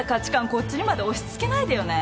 こっちにまで押し付けないでよね。